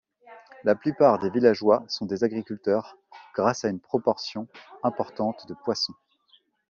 La plupart des villageois sont des agriculteurs, grâce à une proportion importante de poissons.